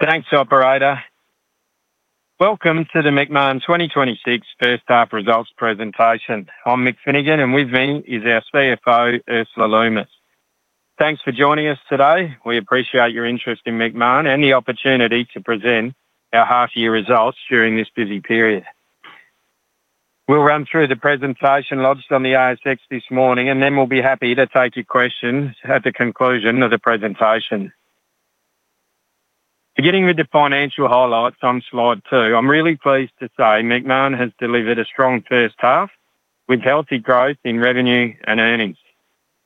Thanks, operator. Welcome to the Macmahon 2026 first half results presentation. I'm Mick Finnegan, and with me is our CFO, Ursula Lummis. Thanks for joining us today. We appreciate your interest in Macmahon and the opportunity to present our half-year results during this busy period. We'll run through the presentation lodged on the ASX this morning, and then we'll be happy to take your questions at the conclusion of the presentation. Beginning with the financial highlights on slide two, I'm really pleased to say Macmahon has delivered a strong first half, with healthy growth in revenue and earnings.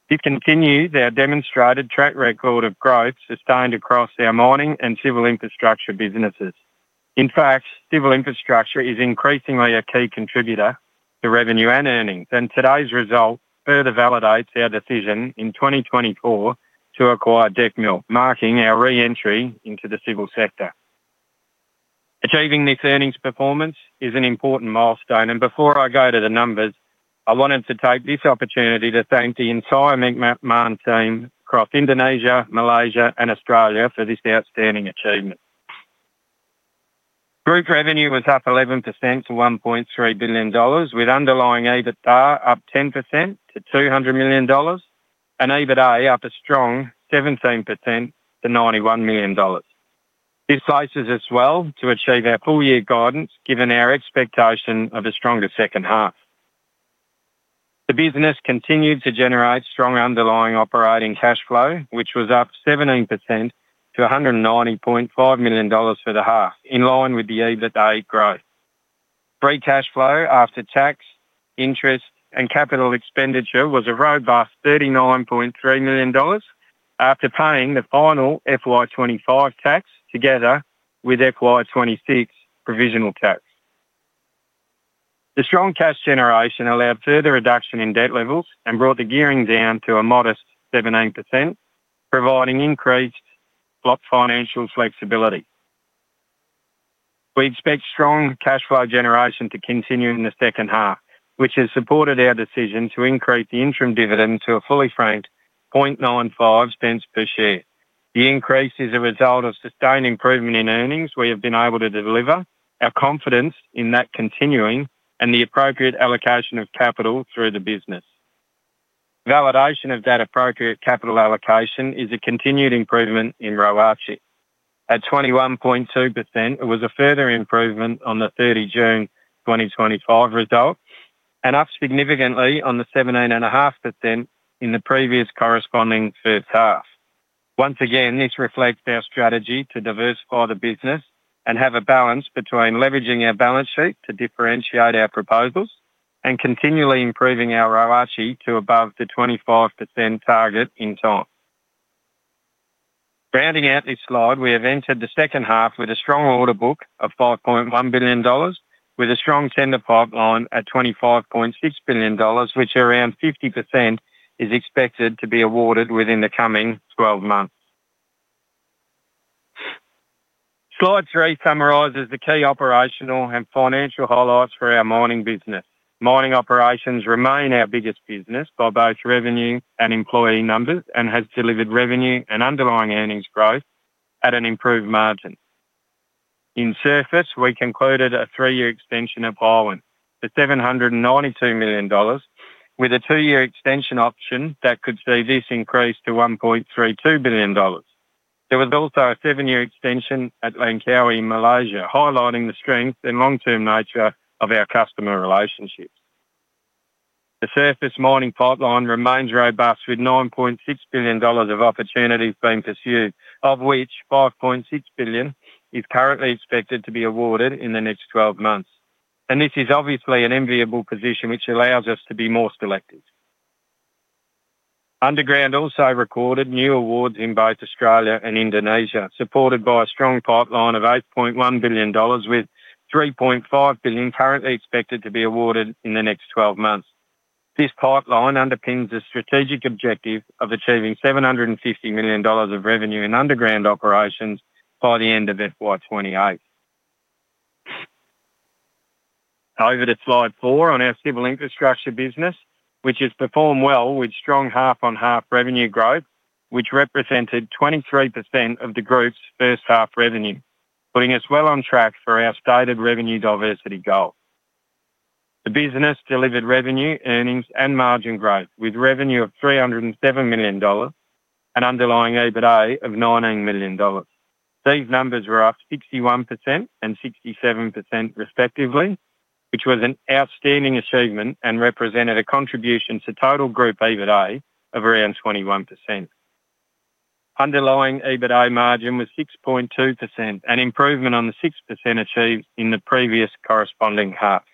This continues our demonstrated track record of growth sustained across our mining and civil infrastructure businesses. In fact, civil infrastructure is increasingly a key contributor to revenue and earnings, and today's result further validates our decision in 2024 to acquire Decmil, marking our re-entry into the civil sector. Achieving this earnings performance is an important milestone, and before I go to the numbers, I wanted to take this opportunity to thank the entire Macmahon team across Indonesia, Malaysia, and Australia for this outstanding achievement. Group revenue was up 11% to 1.3 billion dollars, with underlying EBITDA up 10% to 200 million dollars and EBITDA up a strong 17% to 91 million dollars. This places us well to achieve our full-year guidance, given our expectation of a stronger second half. The business continued to generate strong underlying operating cash flow, which was up 17% to 190.5 million dollars for the half, in line with the EBITDA growth. Free cash flow after tax, interest, and capital expenditure was a robust 39.3 million dollars after paying the final FY 2025 tax together with FY 2026 provisional tax. The strong cash generation allowed further reduction in debt levels and brought the gearing down to a modest 17%, providing increased plenty financial flexibility. We expect strong cash flow generation to continue in the second half, which has supported our decision to increase the interim dividend to a fully franked 0.0095 per share. The increase is a result of sustained improvement in earnings we have been able to deliver, our confidence in that continuing, and the appropriate allocation of capital through the business. Validation of that appropriate capital allocation is a continued improvement in ROACE. At 21.2%, it was a further improvement on the 30 June 2025 result and up significantly on the 17.5% in the previous corresponding first half. Once again, this reflects our strategy to diversify the business and have a balance between leveraging our balance sheet to differentiate our proposals and continually improving our ROACE to above the 25% target in time. Rounding out this slide, we have entered the second half with a strong order book of 5.1 billion dollars, with a strong tender pipeline at 25.6 billion dollars, which around 50% is expected to be awarded within the coming 12 months. Slide three summarizes the key operational and financial highlights for our mining business. Mining operations remain our biggest business by both revenue and employee numbers and has delivered revenue and underlying earnings growth at an improved margin. In surface, we concluded a three-year extension of Byerwen, at 792 million dollars, with a two-year extension option that could see this increase to 1.32 billion dollars. There was also a seven-year extension at Langkawi in Malaysia, highlighting the strength and long-term nature of our customer relationships. The surface mining pipeline remains robust, with 9.6 billion dollars of opportunities being pursued, of which 5.6 billion is currently expected to be awarded in the next 12 months. This is obviously an enviable position, which allows us to be more selective. Underground also recorded new awards in both Australia and Indonesia, supported by a strong pipeline of 8.1 billion dollars, with 3.5 billion currently expected to be awarded in the next 12 months. This pipeline underpins the strategic objective of achieving 750 million dollars of revenue in underground operations by the end of FY 2028. Over to slide four on our civil infrastructure business, which has performed well with strong half-on-half revenue growth, which represented 23% of the group's first half revenue, putting us well on track for our stated revenue diversity goal. The business delivered revenue, earnings, and margin growth, with revenue of 307 million dollars and underlying EBITDA of 19 million dollars. These numbers were up 61% and 67% respectively, which was an outstanding achievement and represented a contribution to total group EBITDA of around 21%. Underlying EBITDA margin was 6.2%, an improvement on the 6% achieved in the previous corresponding half.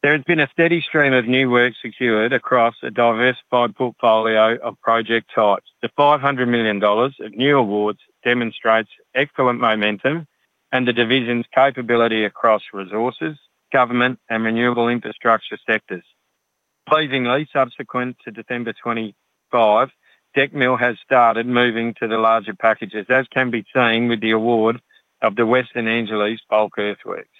There has been a steady stream of new work secured across a diversified portfolio of project types. The 500 million dollars of new awards demonstrates excellent momentum and the division's capability across resources, government, and renewable infrastructure sectors. Pleasingly, subsequent to December 2025, Decmil has started moving to the larger packages, as can be seen with the award of the West Angelas bulk earthworks….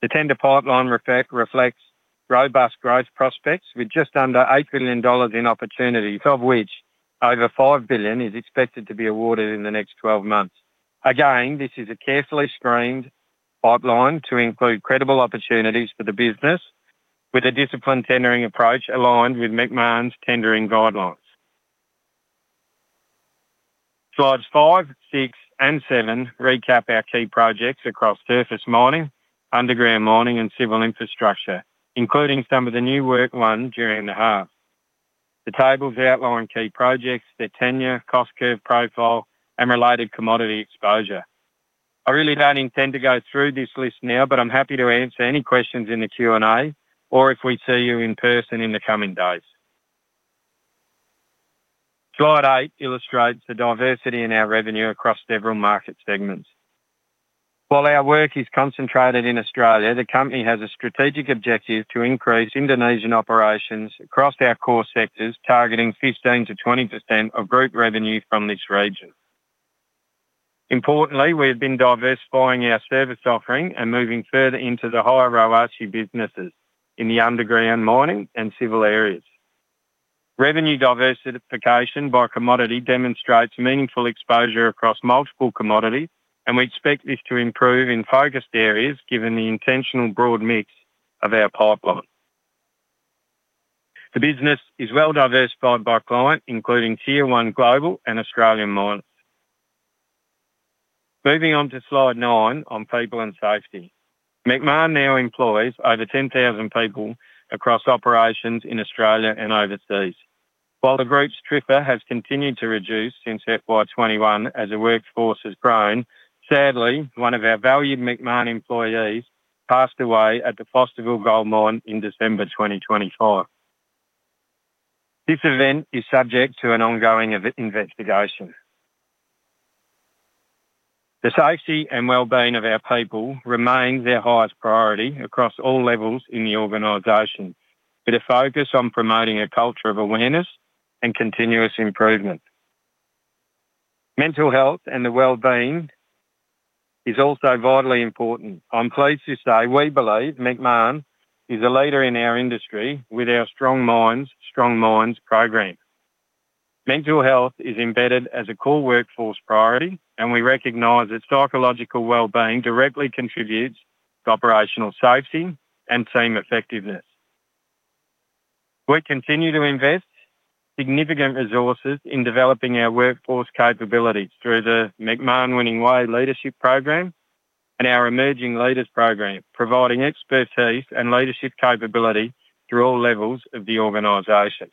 The tender pipeline reflects robust growth prospects with just under 8 billion dollars in opportunities, of which over 5 billion is expected to be awarded in the next 12 months. Again, this is a carefully screened pipeline to include credible opportunities for the business, with a disciplined tendering approach aligned with Macmahon's tendering guidelines. Slides five, six, and seven recap our key projects across surface mining, underground mining, and civil infrastructure, including some of the new work won during the half. The tables outline key projects, their tenure, cost curve profile, and related commodity exposure. I really don't intend to go through this list now, but I'm happy to answer any questions in the Q&A or if we see you in person in the coming days. Slide eight illustrates the diversity in our revenue across several market segments. While our work is concentrated in Australia, the company has a strategic objective to increase Indonesian operations across our core sectors, targeting 15%-20% of group revenue from this region. Importantly, we've been diversifying our service offering and moving further into the higher-royalty businesses in the underground mining and civil areas. Revenue diversification by commodity demonstrates meaningful exposure across multiple commodities, and we expect this to improve in focused areas given the intentional broad mix of our pipeline. The business is well diversified by client, including Tier 1 Global and Australian mines. Moving on to slide nine on people and safety. Macmahon now employs over 10,000 people across operations in Australia and overseas. While the group's TRIR has continued to reduce since FY 2021 as the workforce has grown, sadly, one of our valued Macmahon employees passed away at the Fosterville Gold Mine in December 2025. This event is subject to an ongoing investigation. The safety and well-being of our people remains our highest priority across all levels in the organization, with a focus on promoting a culture of awareness and continuous improvement. Mental health and the well-being is also vitally important. I'm pleased to say we believe Macmahon is a leader in our industry with our Strong Minds, Strong Mines program. Mental health is embedded as a core workforce priority, and we recognize that psychological well-being directly contributes to operational safety and team effectiveness. We continue to invest significant resources in developing our workforce capabilities through the Macmahon Winning Way Leadership Program and our Emerging Leaders program, providing expertise and leadership capability through all levels of the organization.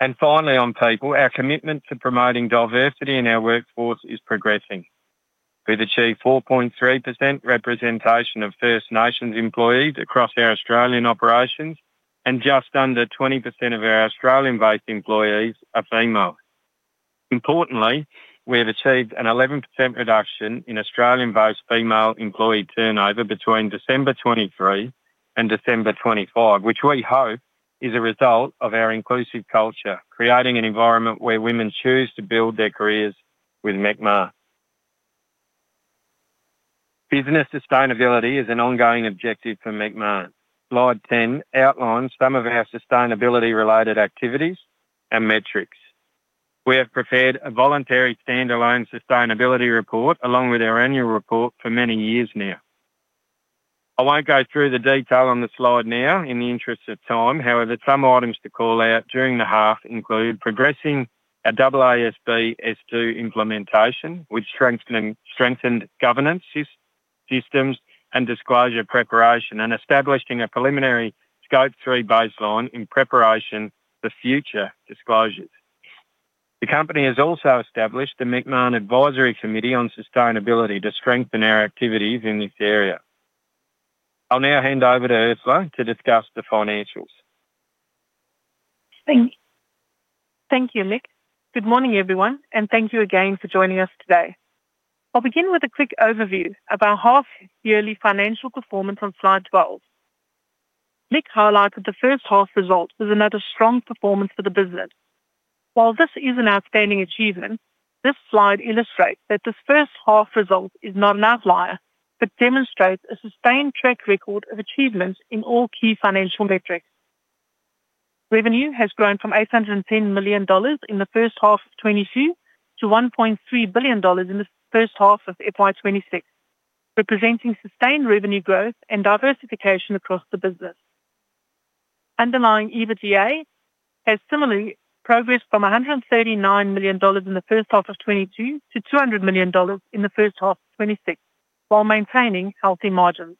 And finally, on people, our commitment to promoting diversity in our workforce is progressing. We've achieved 4.3% representation of First Nations employees across our Australian operations, and just under 20% of our Australian-based employees are female. Importantly, we have achieved an 11% reduction in Australian-based female employee turnover between December 2023 and December 2025, which we hope is a result of our inclusive culture, creating an environment where women choose to build their careers with Macmahon. Business sustainability is an ongoing objective for Macmahon. Slide 10 outlines some of our sustainability-related activities and metrics. We have prepared a voluntary standalone sustainability report, along with our annual report, for many years now. I won't go through the detail on the slide now in the interest of time. However, some items to call out during the half include progressing our AASB S2 implementation, which strengthened governance systems and disclosure preparation, and establishing a preliminary Scope 3 baseline in preparation for future disclosures. The company has also established the Macmahon Advisory Committee on Sustainability to strengthen our activities in this area. I'll now hand over to Ursula to discuss the financials. Thank you, Mick. Good morning, everyone, and thank you again for joining us today. I'll begin with a quick overview of our half-yearly financial performance on slide 12. Mick highlighted the first half results as another strong performance for the business. While this is an outstanding achievement, this slide illustrates that this first half result is not an outlier but demonstrates a sustained track record of achievements in all key financial metrics. Revenue has grown from 810 million dollars in the first half of 2022 to 1.3 billion dollars in the first half of FY 2026, representing sustained revenue growth and diversification across the business. Underlying EBITDA has similarly progressed from 139 million dollars in the first half of 2022 to 200 million dollars in the first half of 2026, while maintaining healthy margins.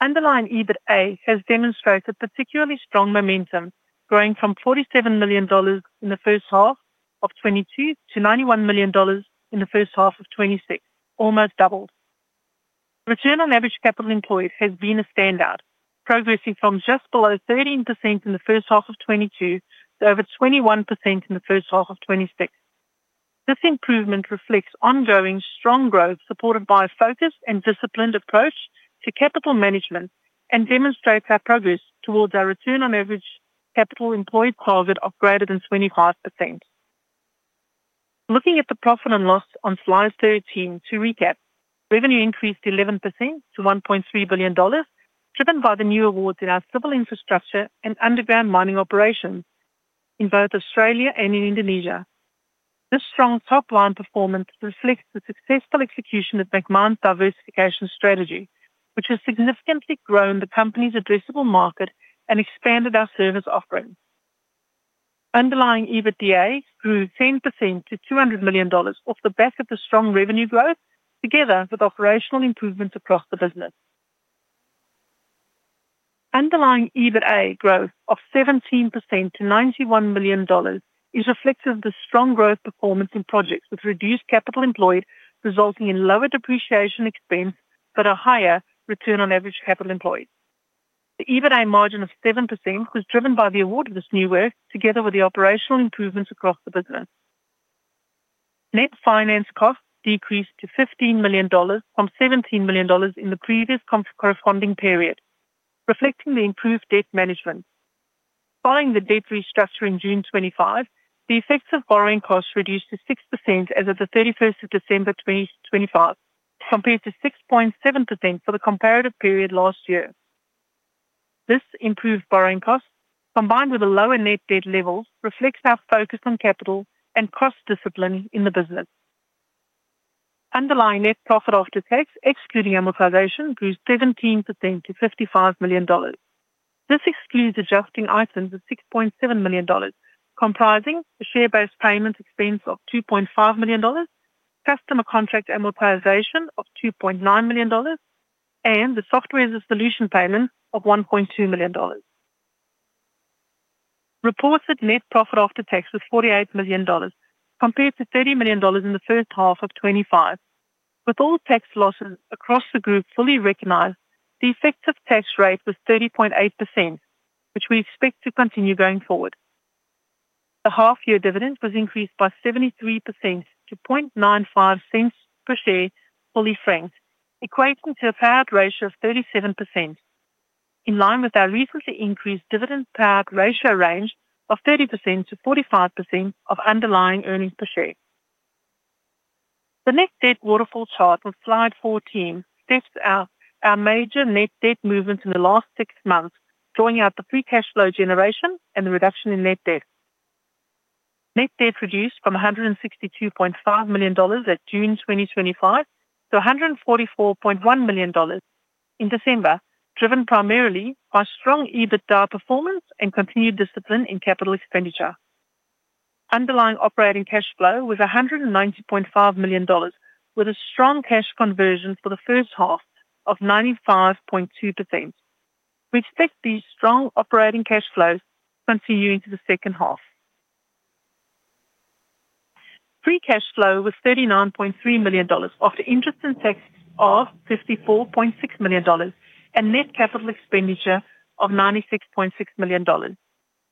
Underlying EBITA has demonstrated particularly strong momentum, growing from 47 million dollars in the first half of 2022 to 91 million dollars in the first half of 2026, almost double. Return on average capital employed has been a standout, progressing from just below 13% in the first half of 2022 to over 21% in the first half of 2026. This improvement reflects ongoing strong growth, supported by a focused and disciplined approach to capital management, and demonstrates our progress towards our return on average capital employed target of greater than 25%.... Looking at the profit and loss on slide 13, to recap, revenue increased 11% to 1.3 billion dollars, driven by the new awards in our civil infrastructure and underground mining operations in both Australia and in Indonesia. This strong top-line performance reflects the successful execution of Macmahon's diversification strategy, which has significantly grown the company's addressable market and expanded our service offerings. Underlying EBITDA grew 10% to 200 million dollars off the back of the strong revenue growth, together with operational improvements across the business. Underlying EBITA growth of 17% to 91 million dollars is reflective of the strong growth performance in projects with reduced capital employed, resulting in lower depreciation expense but a higher return on average capital employed. The EBITA margin of 7% was driven by the award of this new work, together with the operational improvements across the business. Net finance costs decreased to 15 million dollars from 17 million dollars in the previous corresponding period, reflecting the improved debt management. Following the debt restructure in June 2025, the effects of borrowing costs reduced to 6% as of the 31st of December 2025, compared to 6.7% for the comparative period last year. This improved borrowing costs, combined with a lower net debt level, reflects our focus on capital and cost discipline in the business. Underlying net profit after tax, excluding amortization, grew 17% to 55 million dollars. This excludes adjusting items of 6.7 million dollars, comprising a share-based payment expense of 2.5 million dollars, customer contract amortization of 2.9 million dollars, and the software as a solution payment of 1.2 million dollars. Reported net profit after tax was 48 million dollars, compared to 30 million dollars in the first half of 2025. With all tax losses across the group fully recognized, the effective tax rate was 30.8%, which we expect to continue going forward. The half-year dividend was increased by 73% to 0.0095 per share, fully franked, equating to a payout ratio of 37%, in line with our recently increased dividend payout ratio range of 30%-45% of underlying earnings per share. The net debt waterfall chart on slide 14 sets out our major net debt movements in the last six months, drawing out the free cash flow generation and the reduction in net debt. Net debt reduced from 162.5 million dollars at June 2025 to 144.1 million dollars in December, driven primarily by strong EBITDA performance and continued discipline in capital expenditure. Underlying operating cash flow was 190.5 million dollars, with a strong cash conversion for the first half of 95.2%. We expect these strong operating cash flows to continue into the second half. Free cash flow was 39.3 million dollars, after interest and tax of 54.6 million dollars and net capital expenditure of 96.6 million dollars.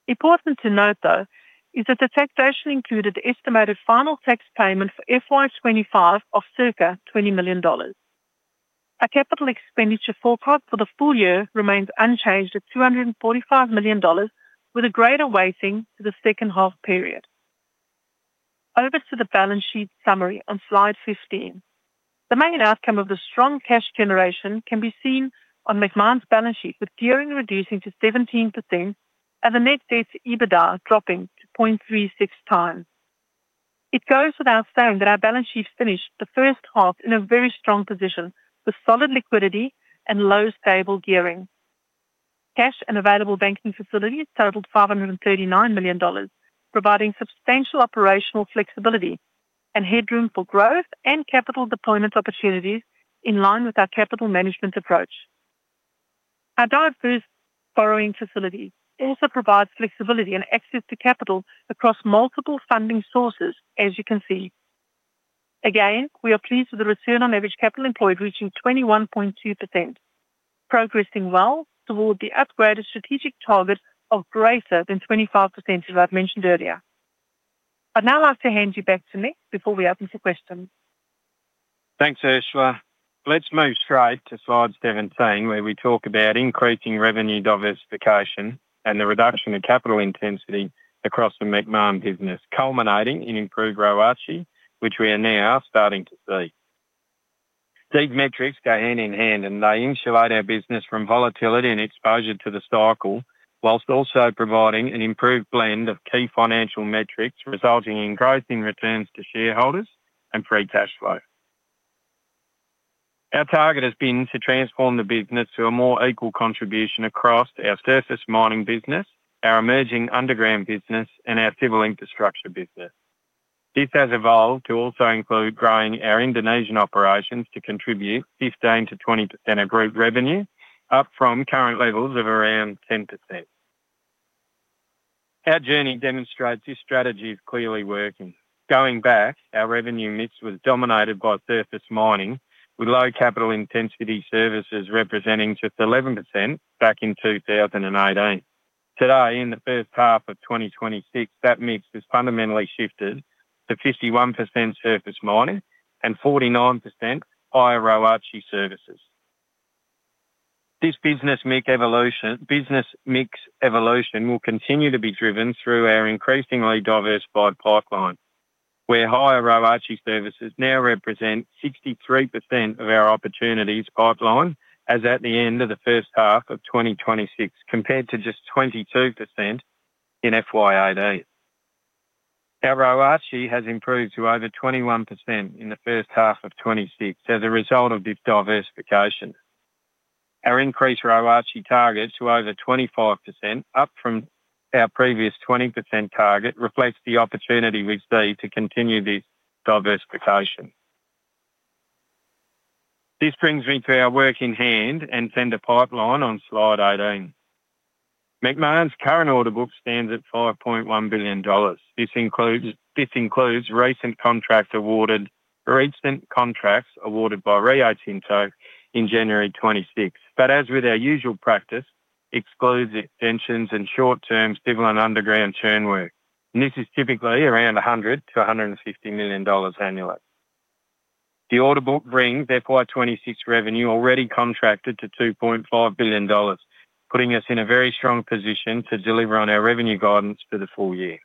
Important to note, though, is that the taxation included the estimated final tax payment for FY 2025 of circa AUD 20 million. Our capital expenditure forecast for the full-year remains unchanged at AUD 245 million, with a greater weighting to the second half period. Over to the balance sheet summary on slide 15. The main outcome of the strong cash generation can be seen on Macmahon's balance sheet, with gearing reducing to 17% and the net debt to EBITDA dropping to 0.36x. It goes without saying that our balance sheet finished the first half in a very strong position, with solid liquidity and low, stable gearing. Cash and available banking facilities totaled AUD 539 million, providing substantial operational flexibility and headroom for growth and capital deployment opportunities in line with our capital management approach. Our diverse borrowing facility also provides flexibility and access to capital across multiple funding sources, as you can see. Again, we are pleased with the return on average capital employed reaching 21.2%, progressing well toward the upgraded strategic target of greater than 25%, as I've mentioned earlier. I'd now like to hand you back to Mick before we open to questions. Thanks, Ursula. Let's move straight to slide 17, where we talk about increasing revenue diversification and the reduction in capital intensity across the Macmahon business, culminating in improved ROACE, which we are now starting to see. These metrics go hand in hand, and they insulate our business from volatility and exposure to the cycle, while also providing an improved blend of key financial metrics, resulting in growth in returns to shareholders and free cash flow. Our target has been to transform the business to a more equal contribution across our surface mining business, our emerging underground business, and our civil infrastructure business. This has evolved to also include growing our Indonesian operations to contribute 15%-20% of group revenue, up from current levels of around 10%. Our journey demonstrates this strategy is clearly working. Going back, our revenue mix was dominated by surface mining, with low capital intensity services representing just 11% back in 2018. Today, in the first half of 2026, that mix has fundamentally shifted to 51% surface mining and 49% higher ROACE services.... This business mix evolution, business mix evolution will continue to be driven through our increasingly diversified pipeline, where higher ROACE services now represent 63% of our opportunities pipeline as at the end of the first half of 2026, compared to just 22% in FY 2018. Our ROACE has improved to over 21% in the first half of 2026 as a result of this diversification. Our increased ROACE target to over 25%, up from our previous 20% target, reflects the opportunity we see to continue this diversification. This brings me to our work in hand and tender pipeline on slide 18. Macmahon's current order book stands at 5.1 billion dollars. This includes recent contracts awarded by Rio Tinto in January 2026. But as with our usual practice, excludes extensions and short-term civil and underground churn work, and this is typically around 100 million-150 million dollars annually. The order book brings FY 2026 revenue already contracted to 2.5 billion dollars, putting us in a very strong position to deliver on our revenue guidance for the full-year.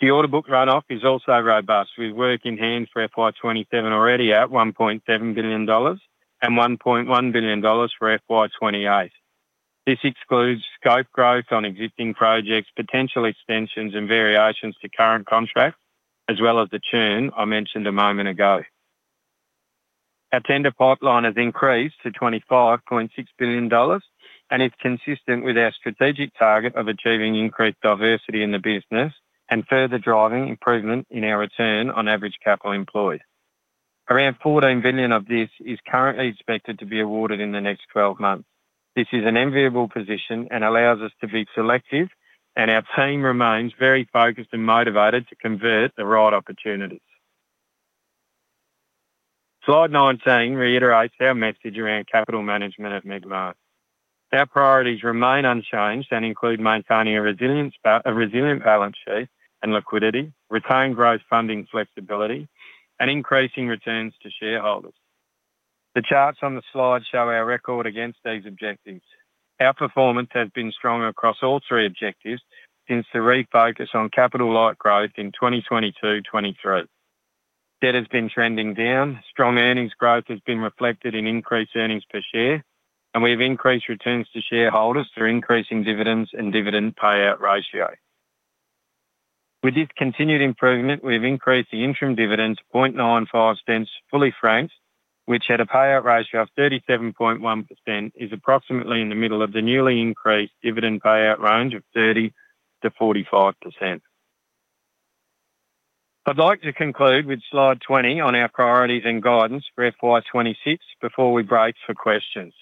The order book run off is also robust, with work in hand for FY 2027 already at AUD 1.7 billion and AUD 1.1 billion for FY 2028. This excludes scope growth on existing projects, potential extensions and variations to current contracts, as well as the churn I mentioned a moment ago. Our tender pipeline has increased to 25.6 billion dollars and is consistent with our strategic target of achieving increased diversity in the business and further driving improvement in our return on average capital employed. Around 14 billion of this is currently expected to be awarded in the next 12 months. This is an enviable position and allows us to be selective, and our team remains very focused and motivated to convert the right opportunities. Slide 19 reiterates our message around capital management at Macmahon. Our priorities remain unchanged and include maintaining a resilient balance sheet and liquidity, retain growth funding flexibility, and increasing returns to shareholders. The charts on the slide show our record against these objectives. Our performance has been strong across all three objectives since the refocus on capital-light growth in 2022, 2023. Debt has been trending down, strong earnings growth has been reflected in increased earnings per share, and we've increased returns to shareholders through increasing dividends and dividend payout ratio. With this continued improvement, we've increased the interim dividend to 0.0095, fully franked, which at a payout ratio of 37.1%, is approximately in the middle of the newly increased dividend payout range of 30%-45%. I'd like to conclude with slide 20 on our priorities and guidance for FY 2026 before we break for questions.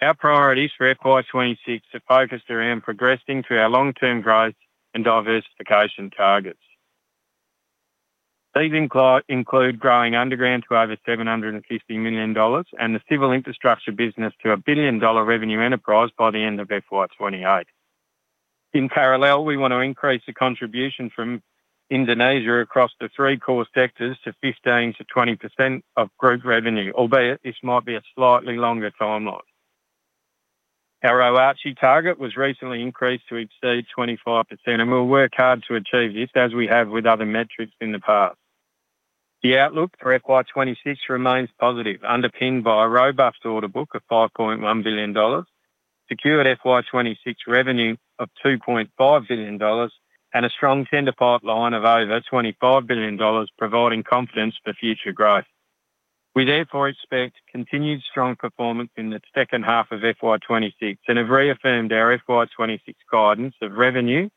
Our priorities for FY 2026 are focused around progressing to our long-term growth and diversification targets. These include growing underground to over 750 million dollars and the civil infrastructure business to a billion-dollar revenue enterprise by the end of FY 2028. In parallel, we want to increase the contribution from Indonesia across the three core sectors to 15%-20% of group revenue, albeit this might be a slightly longer timeline. Our ROACE target was recently increased to exceed 25%, and we'll work hard to achieve this, as we have with other metrics in the past. The outlook for FY 2026 remains positive, underpinned by a robust order book of 5.1 billion dollars, secured FY 2026 revenue of 2.5 billion dollars, and a strong tender pipeline of over 25 billion dollars, providing confidence for future growth. We therefore expect continued strong performance in the second half of FY 2026 and have reaffirmed our FY 2026 guidance of revenue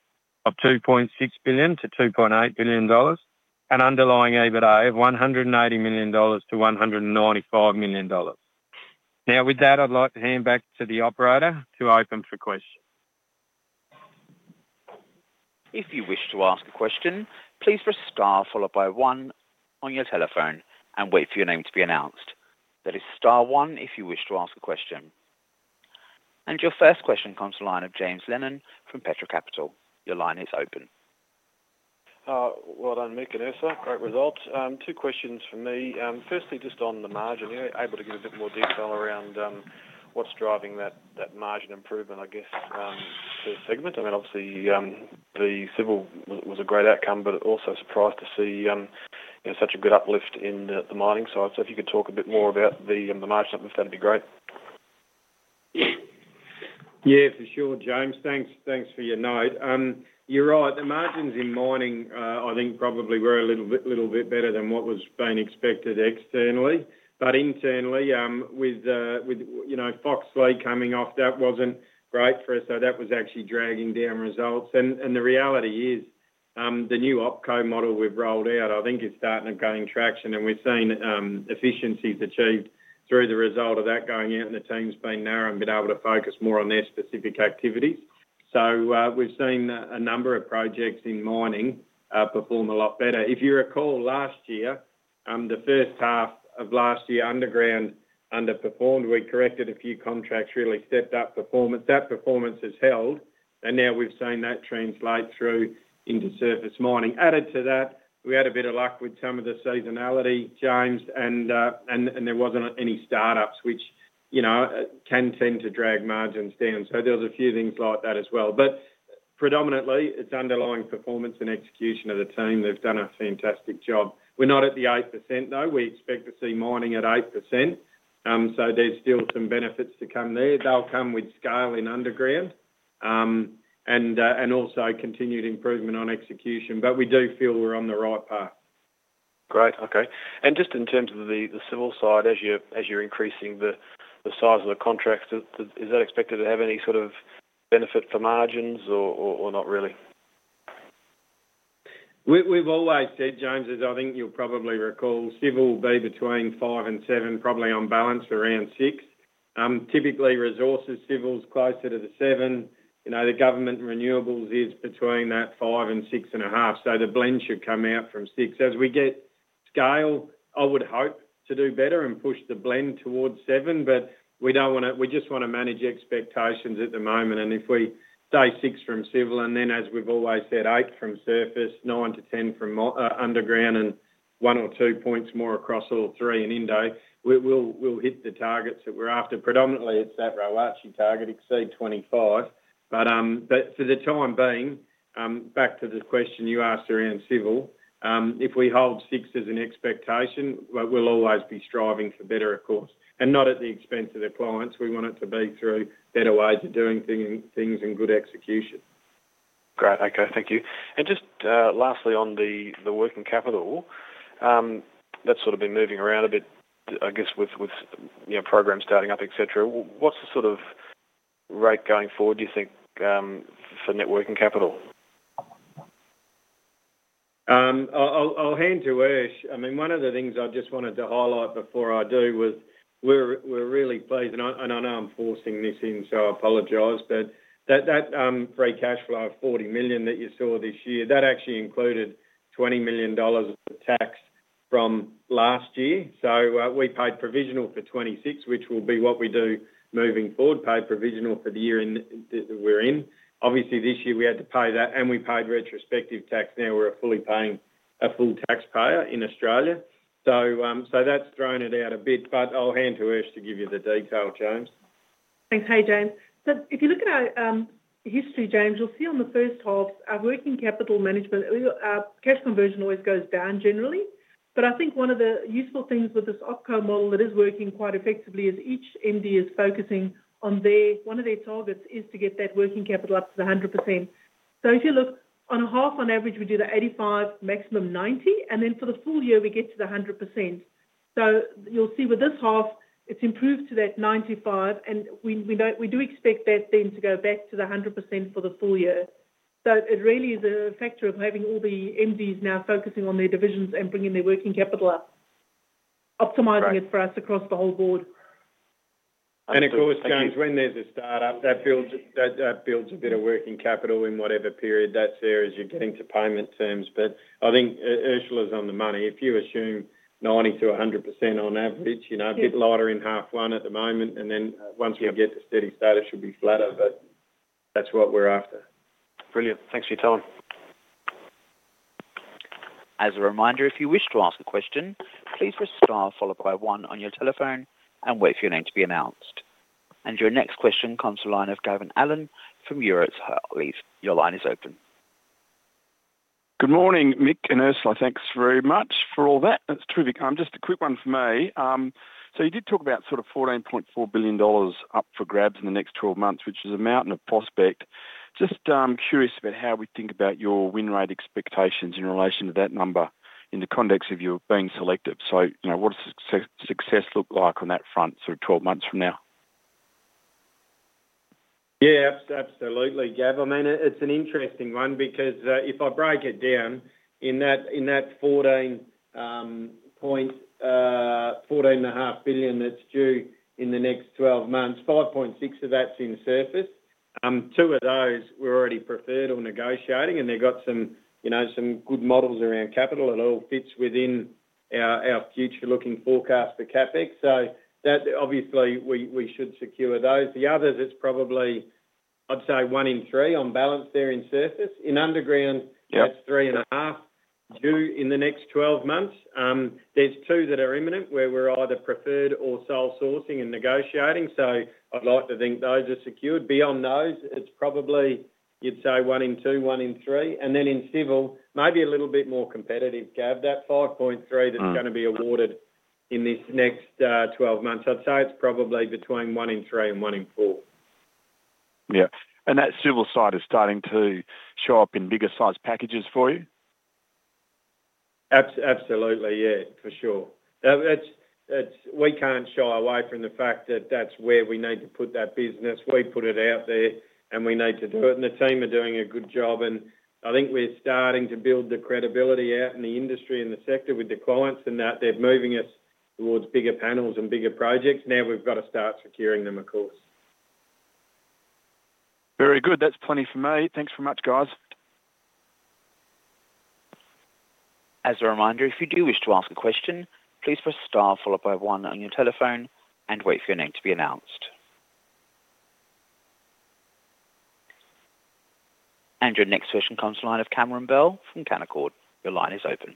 of 2.6 billion-2.8 billion dollars and underlying EBITDA of 180 million-195 million dollars. Now, with that, I'd like to hand back to the operator to open for questions. If you wish to ask a question, please press star followed by one on your telephone and wait for your name to be announced. That is star one if you wish to ask a question. And your first question comes to the line of James Lennon from Petra Capital. Your line is open. Well done, Mick and Ursula. Great results. Two questions from me. Firstly, just on the margin, are you able to give a bit more detail around, what's driving that, that margin improvement, I guess, per segment? I mean, obviously, the civil was, was a great outcome, but also surprised to see, you know, such a good uplift in the, the mining side. So if you could talk a bit more about the, the margin uplift, that'd be great. Yeah, for sure, James. Thanks, thanks for your note. You're right, the margins in mining, I think probably were a little bit, little bit better than what was being expected externally. But internally, with, with, you know, Foxleigh coming off, that wasn't great for us, so that was actually dragging down results. And the reality is, the new OpCo model we've rolled out, I think is starting and gaining traction, and we've seen efficiencies achieved through the result of that going out and the teams being narrow and being able to focus more on their specific activities. So, we've seen a number of projects in mining perform a lot better. If you recall last year, the first half of last year, underground underperformed. We corrected a few contracts, really stepped up performance. That performance has held-... Now we've seen that translate through into surface mining. Added to that, we had a bit of luck with some of the seasonality, James, and there wasn't any startups, which, you know, can tend to drag margins down. So there was a few things like that as well. But predominantly, it's underlying performance and execution of the team. They've done a fantastic job. We're not at the 8%, though. We expect to see mining at 8%. So there's still some benefits to come there. They'll come with scale in underground, and also continued improvement on execution, but we do feel we're on the right path. Great, okay. And just in terms of the civil side, as you're increasing the size of the contracts, is that expected to have any sort of benefit for margins or not really? We've always said, James, as I think you'll probably recall, civil will be between five and seven, probably on balance, around six. Typically, resources, civil is closer to the seven. You know, the government renewables is between that five and 6.5, so the blend should come out from six. As we get scale, I would hope to do better and push the blend towards seven, but we don't wanna-- we just wanna manage expectations at the moment. And if we say six from civil, and then, as we've always said, eight from surface, nine to 10 from mo, underground and one or two points more across all three in Indo, we'll hit the targets that we're after. Predominantly, it's that ROACE target, exceed 25. But for the time being, back to the question you asked around civil, if we hold six as an expectation, we'll always be striving for better, of course, and not at the expense of the clients. We want it to be through better ways of doing thing, things and good execution. Great. Okay, thank you. And just, lastly, on the working capital, that's sort of been moving around a bit, I guess, with you know, programs starting up, et cetera. What's the sort of rate going forward, do you think, for net working capital? I'll hand to Ursula. I mean, one of the things I just wanted to highlight before I do was we're really pleased, and I know I'm forcing this in, so I apologize, but that free cash flow of 40 million that you saw this year, that actually included 20 million dollars of tax from last year. So, we paid provisional for 2026, which will be what we do moving forward, pay provisional for the year in that we're in. Obviously, this year we had to pay that, and we paid retrospective tax. Now we're a full taxpayer in Australia. So, that's thrown it out a bit, but I'll hand to Ursula to give you the detail, James. Thanks. Hey, James. So if you look at our history, James, you'll see on the first half, our working capital management, our cash conversion always goes down generally. But I think one of the useful things with this OpCo model that is working quite effectively is each MD is focusing on their, one of their targets is to get that working capital up to 100%. So if you look on a half, on average, we do the 85, maximum 90, and then for the full-year, we get to the 100%. So you'll see with this half, it's improved to that 95, and we, we don't, we do expect that then to go back to the 100% for the full-year. It really is a factor of having all the MDs now focusing on their divisions and bringing their working capital up, optimizing it for us across the whole board. Of course, James, when there's a startup, that builds a bit of working capital in whatever period that's there as you're getting to payment terms. But I think, Ursula is on the money. If you assume 90%-100% on average, you know, a bit lighter in half one at the moment, and then once we get to steady state, it should be flatter, but that's what we're after. Brilliant. Thanks for your time. As a reminder, if you wish to ask a question, please press star followed by one on your telephone and wait for your name to be announced. Your next question comes to the line of Gavin Allen from Euroz Hartleys. Your line is open. Good morning, Mick and Ursula. Thanks very much for all that. It's truly. Just a quick one from me. So you did talk about sort of 14.4 billion dollars up for grabs in the next 12 months, which is a mountain of prospect. Just, I'm curious about how we think about your win rate expectations in relation to that number in the context of you being selective. So, you know, what does success, success look like on that front, sort of 12 months from now? Yeah, absolutely, Gav. I mean, it's an interesting one because, if I break it down, in that 14.5 billion that's due in the next 12 months, 5.6 billion of that's in surface. Two of those were already preferred or negotiating, and they got some, you know, some good models around capital. It all fits within our future-looking forecast for CapEx. So that obviously, we should secure those. The others, it's probably, I'd say 1-in-3 on balance there in surface. In underground- Yep. That's 3.5 due in the next 12 months. There's two that are imminent, where we're either preferred or sole sourcing and negotiating, so I'd like to think those are secured. Beyond those, it's probably, you'd say 1-in-2, 1-in-3, and then in civil, maybe a little bit more competitive, Gav. That 5.3- Mm. That's gonna be awarded in this next 12 months. I'd say it's probably between 1-in-3 and 1-in-4. Yeah. And that civil side is starting to show up in bigger-sized packages for you? Absolutely, yeah, for sure. We can't shy away from the fact that that's where we need to put that business. We put it out there, and we need to do it, and the team are doing a good job, and I think we're starting to build the credibility out in the industry and the sector with the clients and that they're moving us towards bigger panels and bigger projects. Now we've got to start securing them, of course. Very good. That's plenty for me. Thanks very much, guys.... As a reminder, if you do wish to ask a question, please press star followed by one on your telephone and wait for your name to be announced. And your next question comes to the line of Cameron Bell from Canaccord. Your line is open.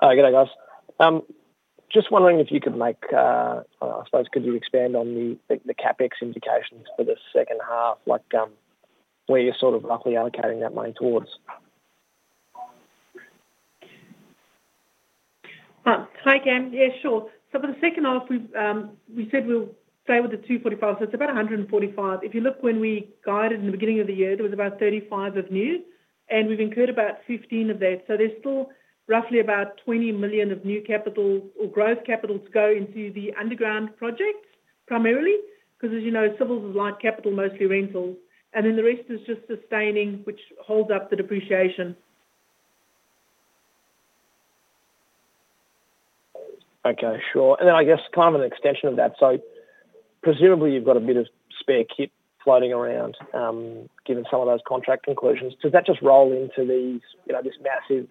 Hi, good day, guys. Just wondering if you could expand on the CapEx indications for the second half? Like, where you're sort of roughly allocating that money towards. Hi, Cam. Yeah, sure. So for the second half, we've we said we'll stay with the 245 million, so it's about 145 million. If you look when we guided in the beginning of the year, there was about 35 million of new, and we've incurred about 15 million of that. So there's still roughly about 20 million of new capital or growth capital to go into the underground project, primarily, 'cause as you know, civils is light capital, mostly rental. And then the rest is just sustaining, which holds up the depreciation. Okay, sure. And then I guess kind of an extension of that: so presumably, you've got a bit of spare kit floating around, given some of those contract conclusions. Does that just roll into these, you know, this massive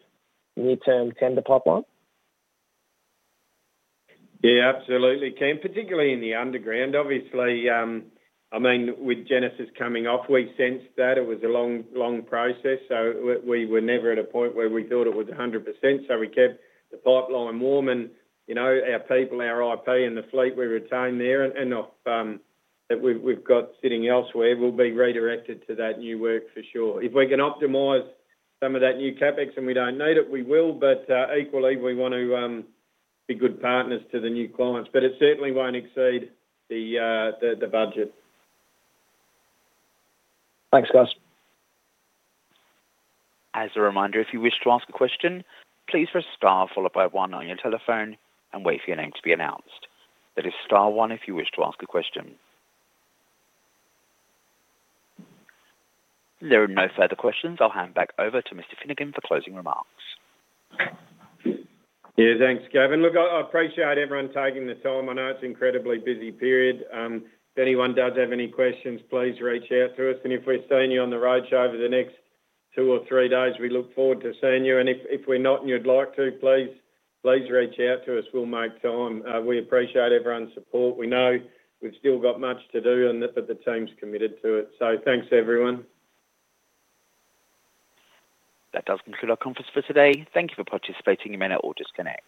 midterm tender pipeline? Yeah, absolutely, Cam, particularly in the underground. Obviously, I mean, with Genesis coming off, we sensed that it was a long, long process, so we were never at a point where we thought it was 100%. So we kept the pipeline warm and, you know, our people, our IP and the fleet we retained there and the that we've got sitting elsewhere will be redirected to that new work for sure. If we can optimize some of that new CapEx and we don't need it, we will, but equally, we want to be good partners to the new clients, but it certainly won't exceed the budget. Thanks, guys. As a reminder, if you wish to ask a question, please press star followed by one on your telephone and wait for your name to be announced. That is star one if you wish to ask a question. If there are no further questions, I'll hand back over to Mr. Finnegan for closing remarks. Yeah, thanks, Kevin. Look, I, I appreciate everyone taking the time. I know it's an incredibly busy period. If anyone does have any questions, please reach out to us, and if we're seeing you on the road show over the next two or three days, we look forward to seeing you. And if, if we're not and you'd like to, please, please reach out to us. We'll make time. We appreciate everyone's support. We know we've still got much to do, and that, but the team's committed to it. So thanks, everyone. That does conclude our conference for today. Thank you for participating. You may now all disconnect.